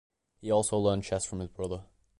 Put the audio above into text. He also learned chess from his brother.